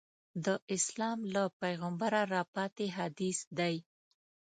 د اسلام له پیغمبره راپاتې حدیث دی.